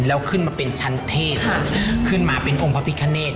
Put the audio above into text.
แล้วขึ้นมาเป็นชั้นเทพขึ้นมาเป็นองค์พระพิคเนต